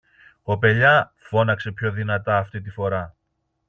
Κοπελιά, φώναξε πιο δυνατά αυτή τη φορά